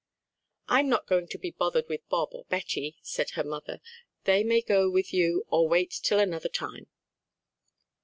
"I'm not going to be bothered with Bob or Betty," said her mother; "they may go with you, or wait till another time."